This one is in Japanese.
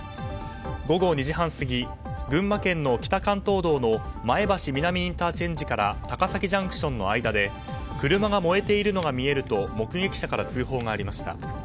午後２時半過ぎ群馬県の北関東道の前橋南ＩＣから高崎ＪＣＴの間で車が燃えているのが見えると目撃者から通報がありました。